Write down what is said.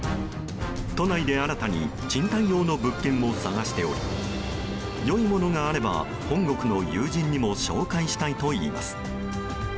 都内で新たに賃貸用の物件を探しており良いものがあれば本国の友人にも紹介したいといいます。